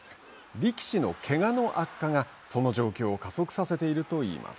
力士のけがの悪化がその状況を加速させているといいます。